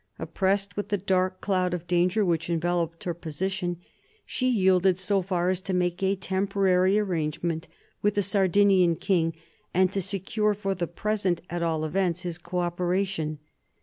Oppressed with the dark cloud of danger which enveloped her position, she yielded so far as to make a temporary arrangement with the Sardinian king, and to secure for the present, at all events, his co operation.